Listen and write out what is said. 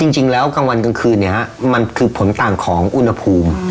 จริงแล้วกลางวันกลางคืนมันคือผลต่างของอุณหภูมิ